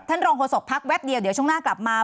รองโฆษกพักแวบเดียวเดี๋ยวช่วงหน้ากลับมา